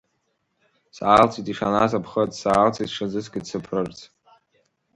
Саалҵит ишаназ аԥхыӡ, саалҵит сҽазыскит сыԥрырц.